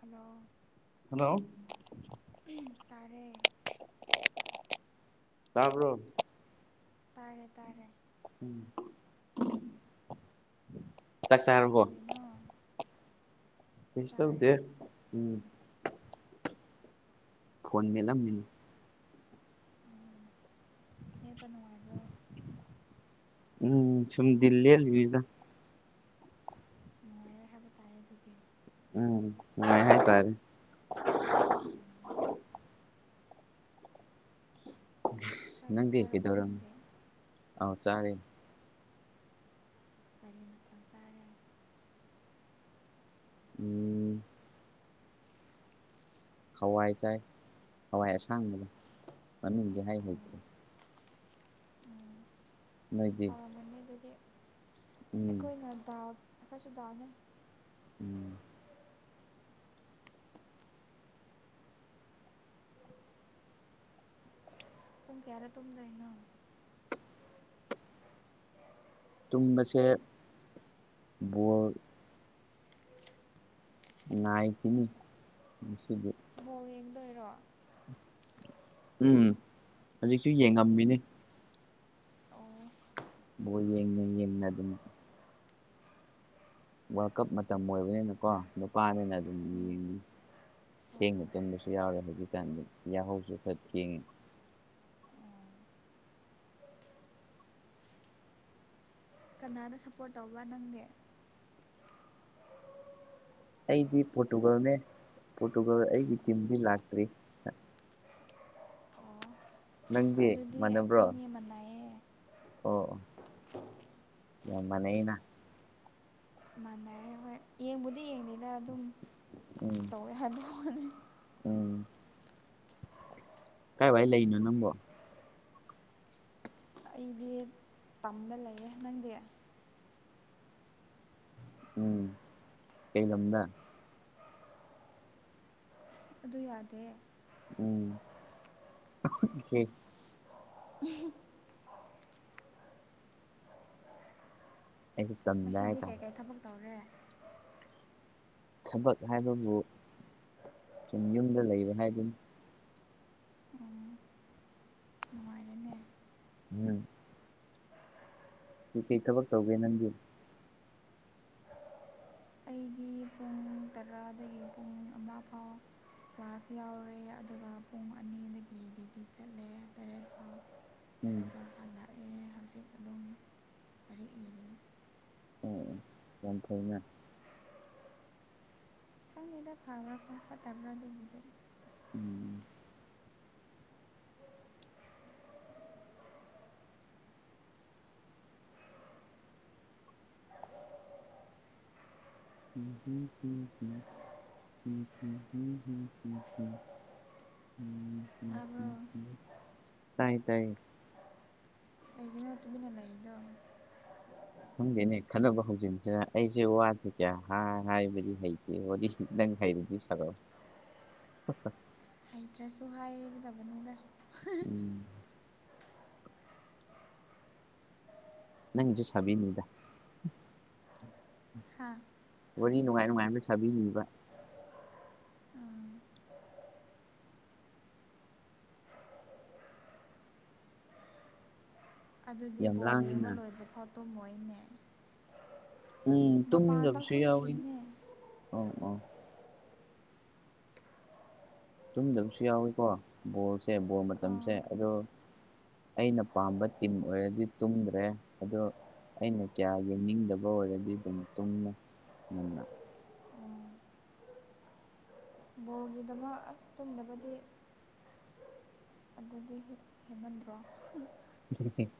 hello hello ꯇꯔꯦ ꯆꯥꯕ꯭ꯔꯣ ꯇꯔꯦ ꯇꯔꯦ [unintelligible] ꯀꯩꯗꯧꯔꯤꯅꯣ ꯁꯤꯁ ꯇꯕꯨ ꯗꯦ ꯆꯥꯔꯦ ꯎꯝ ꯐꯣꯟ ꯃꯦꯂ ꯃꯤ ꯃꯦꯠꯄ ꯅꯨꯡꯉꯥꯏꯕ꯭ꯔꯣ ꯎꯝ ꯁꯨꯝꯃ ꯜꯂꯤ ꯂꯩ ꯌꯗ ꯅꯨꯡꯉꯥꯏꯔꯣꯏ ꯍꯥꯏꯕ ꯇꯥꯔꯦ ꯑꯗꯨꯗꯤ ꯎꯝꯍꯇꯥꯔꯦ ꯎꯝ ꯆꯥꯛꯇꯤ ꯅꯪꯗꯤ ꯆꯥꯔꯕꯣ ꯀꯗꯧꯔ ꯅꯪꯗꯤ ꯑꯥꯎ ꯆꯥꯔꯦ ꯀꯒꯥꯔꯤ ꯃꯊꯛ ꯆꯥꯔꯦ ꯎꯝ ꯍꯋꯥꯏ ꯆꯥꯏ ꯍꯋꯥꯏ ꯑꯁꯥꯡꯕꯅ ꯃꯅꯨꯡꯗꯤ ꯑꯣ ꯍꯩꯍꯩꯇ꯭ꯔꯦ ꯎꯝ ꯅꯣꯏꯗꯤ ꯍꯧꯔꯝꯃꯅꯤ ꯑꯗꯨꯗꯤ ꯎꯝ ꯑꯩꯈꯣꯏꯅ ꯗꯥꯎ ꯑꯩꯈꯣꯏꯁꯨ ꯇꯥꯅꯤꯩ ꯎꯝ ꯄꯨꯡ ꯀꯌꯥꯗ ꯇꯨꯝꯗꯣꯏꯅꯣ ꯇꯨꯝꯕꯁꯦ ꯕꯣꯜ ꯀꯅꯤ ꯁꯤꯗ ꯑꯣꯧ ꯌꯦꯡꯗꯣꯏꯔꯣ ꯎꯝ ꯍꯧꯖꯤꯛꯁꯨ ꯌꯦꯡꯉꯝꯃꯤꯅꯤ ꯑꯣ ꯕꯣꯏ ꯌꯦꯡꯅ ꯌꯦꯡꯅ ꯑꯗꯨꯝ ꯋꯥꯔꯜ ꯀꯞ ꯃꯇꯝ ꯑꯣꯏꯕꯅꯤꯅꯀꯣ ꯅꯨꯄꯥꯅꯤꯅ ꯑꯗꯨꯝ ꯎꯝ ꯌꯦꯡ ꯍꯣꯏ ꯊꯦꯡꯕ ꯍꯣꯏ ꯇꯨꯡꯗꯁꯨ ꯌꯥꯎꯔꯦ ꯍꯧꯖꯤꯛꯀꯥꯟꯗ ꯌꯥꯍꯧꯁꯨ ꯐꯠꯈꯤꯦꯡ ꯑꯣ ꯀꯅꯥꯅ ꯁꯞꯄꯣꯔꯠ ꯇꯧꯕ ꯅꯪꯅꯦ ꯑꯩꯗꯤ ꯄꯣꯔꯇꯨꯒꯜꯅꯦ ꯄꯣꯔꯇꯨꯒꯜ ꯑꯩꯒꯤ ꯇꯤꯝꯗꯤ ꯂꯥꯛꯇ꯭ꯔꯤ [unintelligible] ꯑꯣ ꯅꯪꯗꯤ ꯑꯗꯨꯗꯤ ꯃꯥꯟꯅꯕ꯭ꯔꯣ ꯑꯣ ꯑꯩꯈꯣꯏꯅꯤ ꯃꯅꯥꯏꯌꯦ ꯑꯣ ꯌꯥꯝ ꯃꯅꯦꯅ ꯃꯥꯟꯅꯔꯦ ꯍꯣꯏ ꯌꯦꯡꯕꯨꯗꯤ ꯌꯦꯡꯗꯦꯗ ꯑꯗꯨꯝ ꯎꯝ ꯇꯧꯋꯦ ꯍꯥꯏꯦ ꯚꯅꯦ ꯀꯥꯏ ꯋꯥꯏ ꯂꯩꯅꯣ ꯅꯪꯕꯣ ꯑꯩꯗꯤ ꯇꯝꯗ ꯂꯩꯌꯦꯦ ꯅꯪꯗꯤ ꯎꯝ ꯀꯩꯂꯝꯗ ꯑꯗꯨ ꯌꯥꯗꯦ ꯎꯝ ꯎꯝ ꯑꯩꯁꯨ ꯇꯝꯗ ꯉꯁꯤꯗꯤ ꯍꯥꯏꯇꯥꯔꯦ ꯀꯩꯀꯩ ꯊꯕꯛ ꯇꯧꯔꯦ ꯊꯕꯛ ꯍꯥꯏꯕꯕꯨ ꯁꯨꯝ ꯌꯨꯝꯗ ꯂꯩꯕ ꯍꯥꯏꯗꯨꯅꯤ ꯑꯣ ꯅꯨꯡꯉꯥꯏꯔꯦꯅꯦ ꯎꯝ ꯇꯨ ꯀꯩ ꯊ ꯐꯛ ꯇꯧꯒꯦ ꯅꯪꯗ ꯑꯩꯗꯤ ꯄꯨꯡ ꯇꯔꯥꯗꯒꯤ ꯄꯨꯡ ꯑꯃꯥ ꯐꯥꯎꯕ ꯀ꯭ꯂꯥꯁ ꯌꯥꯎꯔꯦ ꯑꯗꯨꯒ ꯄꯨꯡ ꯑꯅꯤꯗꯒꯤ ꯗ꯭ꯌꯨꯇꯤ ꯆꯠꯂꯦ ꯇꯔꯦꯠ ꯐꯥꯎ ꯎꯝ ꯑꯗꯨꯒ ꯍꯧꯖꯤꯛ ꯑꯗꯨꯝ ꯂꯔꯤ ꯏꯔꯤ ꯑꯣ ꯑꯣ ꯌꯥꯝ ꯊꯅ ꯈꯪꯉꯦꯗ ꯐꯕ꯭ꯔꯥ ꯈꯣ ꯐꯠꯇꯕ꯭ꯔꯥ ꯑꯗꯨꯕꯨꯗꯤ ꯎꯝ ꯎꯝ ꯍꯨꯝ ꯍꯨꯝꯝꯝ ꯍꯝ ꯇꯥꯕ꯭ꯔꯣ ꯍꯝꯝ ꯇꯥꯏ ꯇꯥꯏ ꯀꯩꯒꯤꯅꯣ ꯇꯨꯃꯤꯟꯅ ꯂꯩꯔꯤꯗꯣ ꯈꯪꯗꯦꯅꯦ ꯈꯜꯂꯕ ꯍꯧꯖꯤꯛꯁꯤꯗ ꯑꯩꯁꯦ ꯋꯥꯁꯦ ꯀꯌꯥ ꯍꯥꯏ ꯍꯥꯏꯕꯗꯤ ꯍꯩꯇꯦ ꯍꯥꯏꯥꯏꯔꯤꯗꯤ ꯁꯔꯣ ꯑꯦꯗ꯭ꯔꯦꯁꯁꯨ ꯍꯥꯏꯒꯗꯕꯅꯤꯗ ꯎꯝ ꯅꯪꯁꯨ ꯁꯕꯤꯗ ꯍꯥꯥ ꯋꯥꯔꯤ ꯅꯨꯡꯉꯥꯏ ꯅꯨꯡꯉꯥꯏꯅ ꯊꯥꯕꯤꯕ ꯑꯗꯨꯗꯤ ꯌꯥꯝ ꯕꯣꯜ ꯌꯦꯡꯕ ꯂꯥꯡꯉꯤꯅ ꯂꯣꯏꯗ꯭ꯔꯦ ꯐꯣꯠꯇꯣ ꯃꯣꯏꯅꯦ ꯎꯝ ꯇꯨꯝꯗꯕꯁꯨ ꯌꯥꯎꯋꯤ ꯍꯨꯏꯁꯤꯡꯅꯦ ꯑ ꯑ ꯇꯨꯝꯗꯕꯁꯨ ꯌꯥꯎꯏꯤꯀꯣ ꯕꯣꯜꯁꯦ ꯕꯣꯜ ꯃꯇꯝꯁꯦ ꯑꯗꯣ ꯑꯩꯅ ꯄꯥꯝꯕ ꯇꯤꯝ ꯑꯣꯏꯔꯗꯤ ꯇꯨꯝꯗ꯭ꯔꯦ ꯑꯣ ꯑꯩꯅ ꯀꯌꯥ ꯌꯦꯡꯅꯤꯡꯗꯕ ꯑꯣꯏꯔꯗꯤ ꯑꯗꯨꯝ ꯇꯨꯡꯅ ꯉꯟꯅ ꯀꯣꯜꯒꯤꯗꯃꯛ ꯑꯁ ꯇꯨꯝꯗꯕꯗꯤ ꯑꯗꯨꯗꯤ ꯍꯦꯃꯟꯗ꯭ꯔꯣ ꯄꯦ [unintelligible]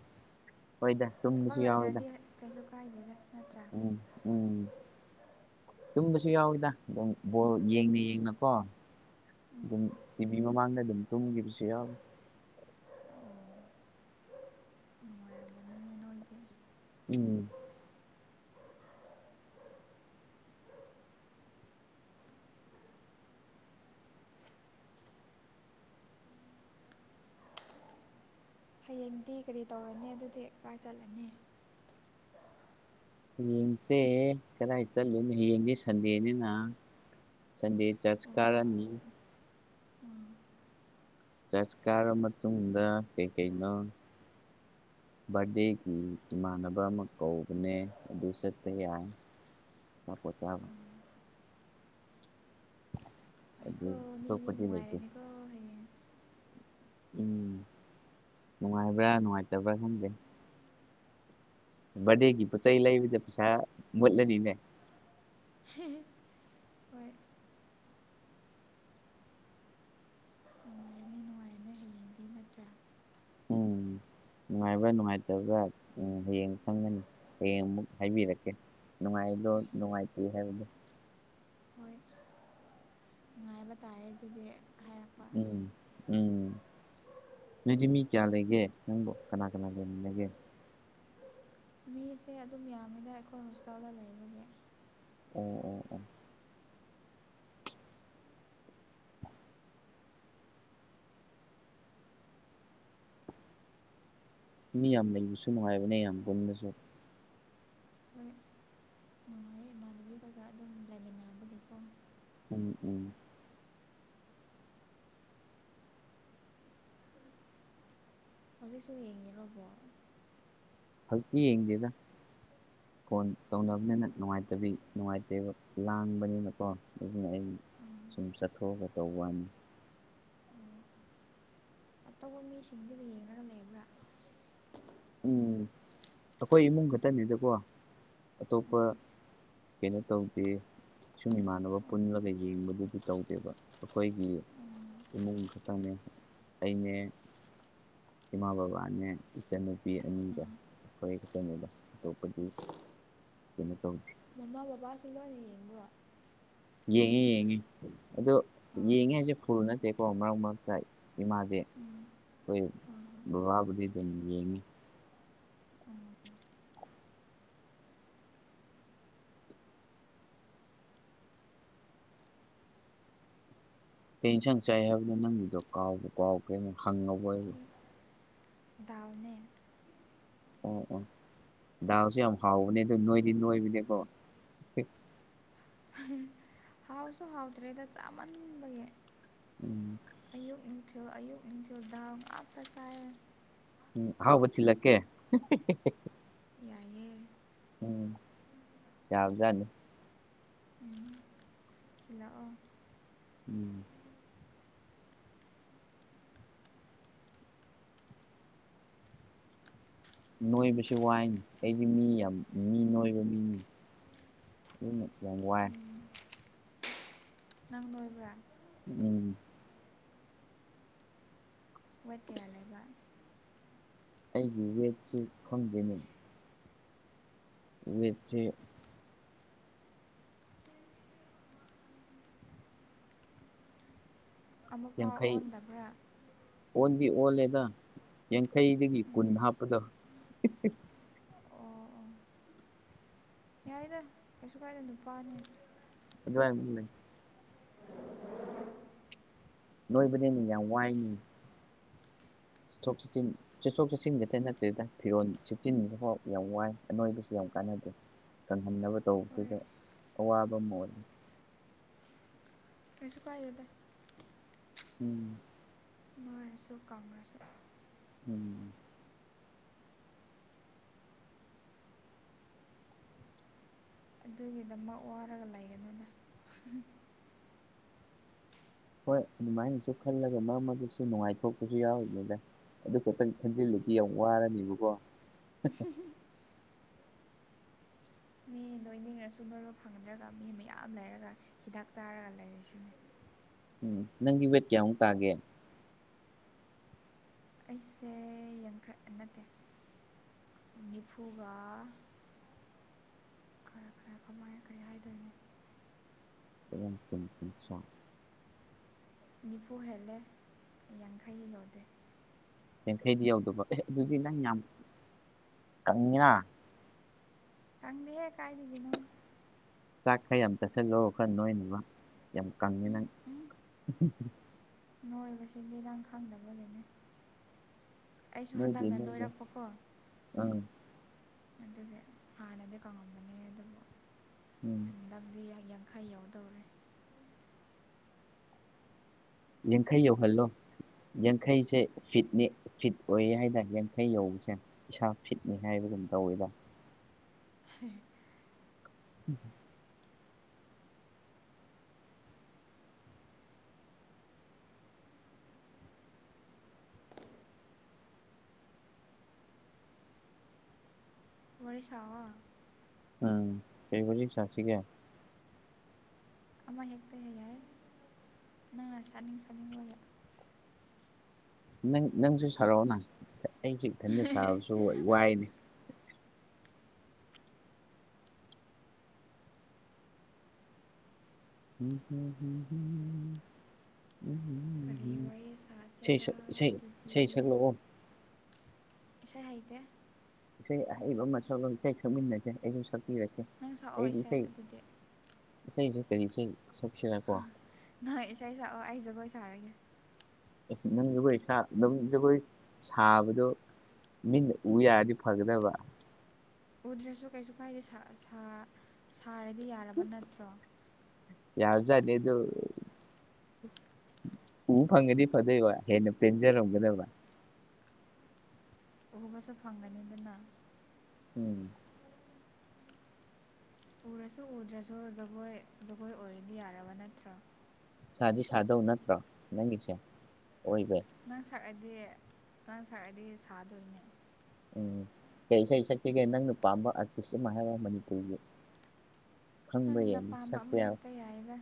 ꯍꯣꯏꯗ ꯊꯕꯛ ꯇꯨꯝꯕꯁꯨ ꯌꯥꯎꯋꯦꯗ ꯂꯩꯇ꯭ꯔꯗꯤ ꯀꯩꯁꯨ ꯀꯥꯏꯗꯦꯗ ꯅꯠꯇ꯭ꯔꯥ ꯎꯝ ꯎꯝ ꯇꯨꯝꯕꯁꯨ ꯌꯥꯎꯋꯤꯗꯕ ꯌꯦꯡꯅ ꯌꯦꯡꯅꯀꯣ ꯎꯝ ꯑꯗꯨꯝ ꯀꯤꯕꯤ ꯃꯃꯥꯡꯗ ꯑꯗꯨꯝ ꯇꯨꯝꯈꯤꯕꯁꯤ ꯌꯥꯎ ꯑꯣ ꯅꯨꯡꯉꯥꯏꯔꯝꯒꯅꯤꯅꯦ ꯅꯣꯏꯗꯤ ꯎꯝ ꯍꯌꯦꯡꯗꯤ ꯀꯔꯤ ꯇꯧꯔꯅꯤ ꯑꯗꯨꯗꯤ ꯀꯥꯏ ꯆꯠꯂꯅꯤ ꯍꯌꯦꯡꯁꯦ ꯀꯗꯥꯏ ꯆꯠꯂꯨ ꯍꯌꯦꯡꯅꯦ ꯁꯟꯗꯦꯅꯤꯅ ꯁꯟꯗꯦ ꯆꯖ ꯀꯅꯤ ꯎꯝ ꯆꯠꯀꯥꯔ ꯃꯇꯨꯡꯗ ꯀꯩ ꯀꯩꯩꯅꯣ ꯕꯥꯔꯗꯦꯒꯤ ꯏꯃꯥꯟꯅꯕ ꯑꯃ ꯀꯧꯕꯅꯦ ꯑꯗꯨ ꯆꯄ ꯌꯥꯏ ꯃꯥ ꯄꯣ ꯆꯥꯕ ꯑꯗꯨꯗꯤ ꯐꯩꯀꯣ ꯃꯤꯗꯤ ꯊꯣꯄꯗꯤ ꯂꯩꯇ ꯅꯨꯡꯉꯥꯏꯔꯅꯤꯀꯣ ꯍꯌꯦꯡ ꯎꯝ ꯅꯨꯡꯉꯥꯏꯕ꯭ꯔ ꯅꯨꯡꯉꯥꯏꯇꯕ꯭ꯔ ꯈꯪꯗꯦ ꯕꯗꯦꯒꯤ ꯄꯣꯠ ꯆꯩ ꯂꯩꯕꯗ ꯄꯩꯁꯥ ꯃꯨꯠꯂꯅꯤꯅꯦ ꯍꯣꯏ ꯅꯨꯡꯉꯥꯏꯔꯅꯦꯅꯨꯡ ꯅꯠꯇ꯭ꯔꯥ ꯅꯨꯡꯉꯥꯏꯕ ꯅꯨꯡꯉꯥꯏꯇꯕ ꯎ ꯍꯌꯦꯡ ꯈꯪꯒꯅꯤ ꯍꯌꯦꯡ ꯑꯃꯨꯛ ꯍꯥꯏꯕꯤꯔꯛꯀꯦ ꯅꯨꯡꯉꯥꯏꯗꯣ ꯅꯨꯡꯉꯥꯏꯇꯦ ꯍꯥꯏꯕꯗꯣ ꯍꯣꯏ ꯅꯨꯡꯉꯥꯏꯕ ꯇꯥꯔꯦ ꯑꯗꯨꯗꯤ ꯍꯥꯏꯔꯛꯦ ꯎꯝ ꯎꯝ ꯅꯣꯏꯗꯤ ꯃꯤ ꯀꯌꯥ ꯂꯩꯒꯦ ꯅꯪꯕꯣ ꯀꯅꯥ ꯀꯅꯥ ꯂꯩꯃꯤꯂꯒꯦ ꯃꯤꯁꯦ ꯑꯗꯨꯝ ꯌꯥꯝꯃꯤꯅ ꯑꯩꯈꯣꯏ ꯍꯣꯁꯇꯦꯜꯗ ꯂꯩꯕꯒꯤ ꯑꯣ ꯑꯣ ꯑꯣ ꯃꯤ ꯌꯥꯝ ꯂꯩꯕꯁꯨꯅꯨꯡꯉꯥꯏꯕꯅꯦ ꯌꯥꯝ ꯄꯨꯟꯕꯁꯨ ꯍꯣꯏ ꯅꯨꯡꯉꯥꯏꯌꯦ ꯏꯃꯥꯟꯗꯕꯤꯈꯣꯏꯒ ꯑꯗꯨꯝ ꯂꯩꯃꯤꯟꯅꯕꯒꯤꯀꯣ ꯎꯝ ꯎꯝ ꯍꯧꯖꯤꯛꯁꯨ ꯌꯦꯡꯉꯤꯔꯕꯣ ꯍꯜꯀꯤꯤ ꯌꯦꯡꯗꯦꯗ ꯐꯣꯟ ꯎꯝ ꯇꯧꯅꯕꯅꯤꯅ ꯅꯨꯡꯉꯥꯏꯇꯕꯤ ꯅꯨꯡꯉꯥꯏꯇꯕ ꯂꯥꯡꯕꯅꯤꯅꯀꯣ ꯑꯗꯨꯅ ꯑꯩ ꯎꯝ ꯁꯨꯝ ꯆꯠꯊꯣꯛꯑꯒ ꯇꯧꯕꯅꯤ ꯑꯣ ꯑꯇꯣꯞꯄ ꯃꯤꯁꯤꯡꯗꯨꯗꯤ ꯌꯦꯡꯉꯒ ꯂꯩꯕ꯭ꯔꯥ ꯎꯝ ꯑꯩꯈꯣꯏ ꯏꯃꯨꯡ ꯈꯛꯇꯅꯤꯗꯀꯣ ꯑꯇꯣꯞꯄ ꯎꯝ ꯀꯩꯅ ꯇꯧꯗꯤ ꯁꯨꯝ ꯏꯃꯥꯟꯅꯕ ꯎꯝ ꯄꯨꯜꯂꯒ ꯌꯦꯡꯕꯗꯨꯗꯤ ꯇꯧꯗꯦꯕ ꯑꯩꯈꯣꯏꯒꯤ ꯎꯝ ꯏꯃꯨꯡ ꯈꯛꯇꯪꯅꯦ ꯑꯩꯅꯦ ꯏꯃꯥ ꯕꯕꯥꯅꯦ ꯏꯆꯟꯅꯨꯄꯤ ꯑꯅꯤꯒ ꯎꯝ ꯑꯩꯈꯣꯏ ꯈꯛꯇꯅꯤꯗ ꯑꯇꯣꯞꯄꯗꯤ ꯀꯩꯅꯣ ꯇꯧꯗꯔꯤ ꯃꯃꯥ ꯕꯕꯥꯁꯨ ꯂꯣꯏꯅ ꯌꯦꯡꯕ꯭ꯔꯣ ꯌꯦꯡꯉꯦ ꯌꯦꯡꯉꯦ ꯑꯗꯣ ꯑꯥ ꯌꯦꯡꯉꯦ ꯍꯥꯏꯁꯦ ꯐꯨ ꯅꯠꯇꯦꯀꯣ ꯃꯔꯛ ꯃꯔꯛꯇ ꯏꯃꯥꯥꯁꯦ ꯎꯝ ꯍꯣꯏ ꯕꯥꯕꯨ ꯅꯤ ꯀꯩ ꯌꯦꯟꯁꯥꯡ ꯆꯥꯏ ꯍꯥꯏꯕꯗ ꯅꯪꯒꯤꯗꯣ ꯀꯥꯎꯕ ꯀꯥꯎ ꯀꯦꯅ ꯍꯪꯉꯕ ꯑꯣꯏꯕ ꯍꯣꯏ ꯗꯥꯜꯅꯦ ꯑꯣ ꯑꯣ ꯗꯥꯎꯁꯨ ꯌꯥꯝ ꯍꯥꯎꯕꯅꯦ ꯑꯗꯨ ꯅꯣꯏꯗꯤ ꯅꯣꯏꯕꯅꯦꯀꯣ ꯍꯥꯎꯁꯨ ꯍꯥꯎꯇ꯭ꯔꯦꯗ ꯆꯥꯃꯟꯕꯒꯤ ꯎꯝ ꯑꯌꯨꯛꯊꯌꯨꯊ ꯗꯝ ꯑꯠ ꯇꯁꯥꯏ ꯎꯝ ꯍꯥꯎ ꯄ ꯁꯤꯤꯂꯀꯦ ꯌꯥꯏꯌꯦ ꯎꯝ ꯌꯥꯕꯖꯅꯤ ꯎ ꯊꯜꯥꯛꯑꯣ ꯎꯝ ꯅꯣꯏꯕꯁꯨ ꯋꯥꯏ ꯑꯩꯗꯤ ꯃꯤ ꯌꯥꯝ ꯃꯤ ꯅꯣꯏꯕ ꯃꯤꯅꯤ ꯏꯃ ꯋꯥꯏ ꯎꯝ ꯅꯪ ꯅꯣꯏꯕ꯭ꯔꯥ ꯎꯝ ꯋꯦꯠ ꯀꯌꯥ ꯂꯩꯕ ꯑꯩꯒꯤ ꯌꯦꯠꯁꯤ ꯈꯪꯖꯅꯤ [inaudible] ꯑꯃꯐꯥꯎ ꯌꯥꯡꯈꯩ ꯑꯣꯟꯗꯕ꯭ꯔꯥ ꯑꯣꯟꯗꯤ ꯑꯣꯜꯂꯦꯗ ꯌꯥꯡꯈꯩꯗꯒꯤ ꯀꯨꯟ ꯍꯥꯞꯄꯗꯕ ꯑꯣ ꯑꯣ ꯌꯥꯏꯗ ꯀꯩꯁꯨ ꯀꯥꯏꯗ ꯅꯨꯄꯥꯅꯤ ꯑꯗꯨꯦ ꯅꯣꯏꯕꯅꯦꯅꯦ ꯌꯥꯝ ꯋꯥꯏꯅꯤ ꯆꯊꯣꯛ ꯆꯟ ꯆꯠꯊꯣꯛ ꯆꯠꯁꯤꯟ ꯈꯛꯇ ꯅꯠꯇꯦꯗ ꯐꯤꯔꯣꯜ ꯆꯦꯠꯁꯤꯟꯕꯐꯥꯎ ꯌꯥꯝ ꯋꯥꯏ ꯑꯅꯣꯏꯕꯁꯨ ꯌꯥꯝꯏ ꯀꯥꯟꯅꯗꯦ ꯀꯪꯍꯟꯅꯕ ꯇꯧꯕꯁꯤꯗ ꯍꯣꯏ ꯑꯋꯥꯕ ꯑꯃ ꯑꯣꯏ ꯀꯁꯨꯀꯑꯗ ꯎꯝ ꯅꯣꯏꯔꯁꯨ ꯀꯥꯡꯈ꯭ꯔꯁꯨ ꯎꯝ ꯑꯗꯨꯒꯤꯗꯃꯛ ꯋꯥꯔꯒ ꯂꯩꯒꯅꯣꯏꯗ ꯍꯣꯏ ꯑꯗꯨꯃꯥꯏꯅꯁꯨ ꯈꯜꯂꯒ ꯃꯔꯝ ꯑꯗꯨꯗꯨꯁꯨ ꯅꯨꯡꯉꯥꯏꯊꯣꯛꯄꯁꯨ ꯌꯥꯎꯔꯤꯅꯦꯗ ꯑꯗꯨ ꯈꯛꯇꯪ ꯈꯟꯖꯤꯜꯂꯗꯤ ꯌꯥꯝ ꯋꯥꯔꯅꯦꯕꯀꯣ [unintelligible] ꯃꯤ ꯅꯣꯏꯅꯤꯡꯉꯁꯨ ꯅꯣꯏꯕ ꯐꯪꯗ꯭ꯔꯒ ꯃꯤ ꯃꯌꯥꯝ ꯂꯩꯔꯒ ꯍꯤꯗꯥꯛ ꯆꯥꯔꯒ ꯂꯩꯔꯤꯁꯤꯅꯤ ꯎꯝ ꯅꯪꯒꯤ ꯋꯦꯠ ꯀꯌꯥꯃꯨꯛ ꯇꯥꯒꯦ ꯑꯩꯁꯦ ꯌꯥꯡꯈꯠ ꯅꯠꯇꯦ ꯅꯤꯐꯨꯒ ꯈꯔ ꯈꯔ ꯀꯃꯥꯏꯅ ꯀꯔꯤ ꯍꯥꯏꯗꯣꯏꯅꯣ ꯑꯁ ꯅꯤꯐꯨ ꯍꯦꯜꯂꯦ ꯌꯥꯡꯈꯩ ꯌꯧꯗꯦ ꯌꯥꯡꯈꯩꯗꯤ ꯌꯧꯗꯕ ꯑꯦ ꯑꯗꯨꯗꯤ ꯅꯪ ꯌꯥꯝ ꯀꯪꯉꯤꯔ ꯈꯪꯗꯦꯍꯦ ꯀꯥꯏꯗꯒꯤꯅꯝ ꯆꯥꯛꯈꯩ ꯌꯥꯝ ꯆꯠꯁꯤꯜꯂꯑꯣ ꯈꯔ ꯅꯣꯏꯅꯦꯅꯕ ꯌꯥꯝ ꯎꯝ ꯀꯉꯤꯅꯪ ꯎꯝ ꯅꯣꯏꯕꯁꯤꯗꯤ ꯅꯪ ꯈꯪꯗꯕꯒꯤꯅꯤ ꯑꯩꯁꯨ ꯅꯣꯏꯗꯦ ꯍꯟꯗꯛꯅ ꯅꯣꯏꯗꯦ ꯅꯣꯏꯔꯛꯄꯀꯣ ꯑꯥ ꯑꯗꯨꯒꯤ ꯍꯥꯟꯅꯗꯤ ꯀꯪꯉꯝꯕꯅꯦ ꯑꯗꯨꯕꯨ ꯎꯝ ꯍꯟꯗꯛꯗꯤ ꯈꯩ ꯌꯥꯎꯗꯧꯔꯦ ꯌꯦꯡꯈꯩ ꯌꯧꯍꯜꯂꯣ ꯌꯥꯡꯈꯩꯁꯦ ꯐꯤꯠꯅꯤ ꯐꯤꯠ ꯑꯣꯏ ꯍꯥꯏꯇꯥꯔꯦ ꯌꯥꯡꯈꯩ ꯌꯧꯕꯁꯦ ꯏꯁꯥ ꯐꯤꯠꯅꯤ ꯍꯥꯏꯕ ꯑꯗꯨꯝ ꯇꯧꯋꯤꯗ ꯍ ꯎꯝ ꯔꯤ ꯁꯕ ꯎꯝ ꯁꯤꯕꯨ ꯆꯁꯤ ꯀꯦ ꯑꯃ ꯍꯦꯛꯇ ꯍꯦꯛ ꯌꯥꯏ ꯅꯪꯅ ꯁꯥꯠꯅꯤꯡ ꯁꯥꯠꯅꯤꯡꯕ ꯅꯪ ꯅꯪꯁꯨ ꯁꯥꯔꯛꯑꯣ ꯅꯪ ꯑꯩꯁꯨꯦ ꯏꯊꯟꯗ ꯁꯥꯕꯁꯨ ꯋꯥꯏꯅꯦ ꯎꯝ ꯍꯝꯝ ꯀꯔꯤ ꯋꯥꯔꯤ ꯁꯥꯖꯔꯥ ꯁꯛ- ꯏꯁꯩ ꯑꯗꯨꯗꯤ ꯏꯁꯩ ꯁꯛꯂꯛꯑꯣ ꯁ ꯍꯥꯏꯗ ꯑꯩꯕ ꯃ ꯀꯥꯏ ꯈꯪꯃꯤꯟꯅꯁꯦ ꯑꯩꯕꯨ ꯁ [unintelligible] [unintelligible] [unintelligible] [unintelligible] ꯅꯪ [unintelligible] ꯦ ꯁꯛꯑꯣ ꯑꯩꯗꯤ ꯏꯁꯩ ꯑꯗꯨꯗꯤ ꯏꯁꯩꯁ ꯀꯔꯤ ꯏꯁꯩ ꯁꯛꯁꯤꯔꯀꯣ ꯅꯣꯏ ꯏꯁꯥꯏ ꯁꯑꯣ ꯍꯥꯏꯖꯒꯣꯏ ꯑ ꯅꯝ ꯖꯒꯣꯏ ꯁꯥ ꯑꯗꯨꯝ ꯖꯒꯣꯏ ꯁꯥꯕꯗꯣ ꯃꯤꯅ ꯎ ꯌꯥꯔꯗꯤ ꯐꯒꯗꯕ ꯎꯗ꯭ꯔꯁꯨ ꯀꯩꯁꯨ ꯀꯥꯏꯗꯦ ꯁꯥꯔꯗꯤ ꯌꯥꯔꯕ ꯅꯠꯇ꯭ꯔꯣ ꯌꯥꯎꯁꯨꯗ ꯑꯗꯨ ꯎ ꯐꯪꯒꯗꯤ ꯐꯗꯣꯏꯕ ꯍꯦꯟꯅ ꯄꯦꯟꯖꯔꯝꯒꯗꯕ ꯎꯕꯁꯨ ꯐꯪꯒꯅꯤ ꯑꯗꯨꯅ ꯎꯝ ꯎꯔꯁꯨ ꯎꯗ꯭ꯔꯁꯨ ꯖꯒꯣꯏ ꯖꯒꯣꯏ ꯑꯣꯏꯔꯗꯤ ꯌꯥꯔꯕ ꯅꯠꯇ꯭ꯔꯣ ꯁꯥꯗꯤ ꯁꯥꯗꯧ ꯅꯠꯇ꯭ꯔꯣ ꯅꯪꯒꯁꯤꯦ ꯑꯁ ꯅꯪ ꯁꯔꯛꯑꯗꯤ ꯅꯪ ꯁꯔꯛꯑꯗꯤ ꯁꯥꯗꯣꯏꯅꯦ ꯎꯝ ꯀꯩ ꯏꯁꯩ ꯁꯛꯀꯒꯦ ꯅꯪꯅ ꯄꯥꯝꯕ ꯑꯥꯔꯇꯤꯁ ꯃꯍꯔ ꯃꯅꯤꯄꯨꯔꯔꯤꯒꯤ ꯐꯪꯕ ꯌꯥ ꯅꯪꯅ ꯄꯥꯝꯕ ꯑꯃ ꯁꯛꯇꯌꯥ ꯍꯦꯛꯇ ꯌꯥꯏꯗ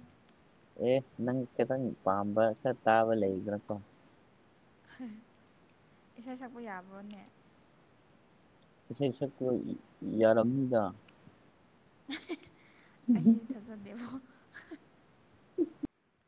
ꯑꯦ ꯅꯪ ꯈꯤꯇꯪ ꯄꯥꯝꯕ ꯈꯔ ꯇꯥꯕ ꯂꯩꯗ꯭ꯔꯥꯀꯣ ꯏꯁꯩ ꯁꯛꯄ ꯌꯥꯕ꯭ꯔꯣꯅꯦ ꯏꯁꯩ ꯁꯛꯄ ꯌꯥꯔꯝꯃꯤꯗ ꯑꯩ ꯊꯥꯖꯗꯦꯕꯣ ꯎ